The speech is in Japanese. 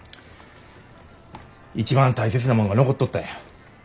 一番大切なもんが残っとったんや。